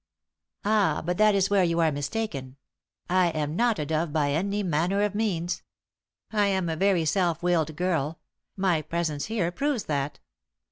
"Ah! but that is where you are mistaken. I am not a dove by any manner of means. I am a very self willed girl; my presence here proves that.